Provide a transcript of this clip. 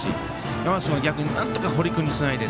山増君も、逆になんとか堀君につないで